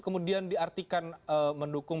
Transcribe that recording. kemudian diartikan mendukung